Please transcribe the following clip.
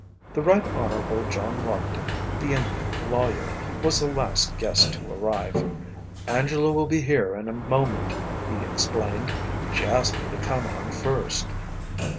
The Right Hon. John Lockton, the eminent lawyer, was the last guest to arrive. "Angela will be here in a moment," he explained; "she asked me to come on first."